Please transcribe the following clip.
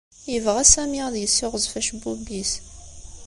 Yebɣa Sami ad yessiɣzef acebbub-is.